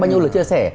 bao nhiêu lời chia sẻ